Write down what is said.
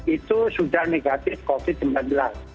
itu sudah negatif covid sembilan belas